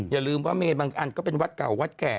อย่าลืมว่าเมนบางอันก็เป็นวัดเก่าวัดแก่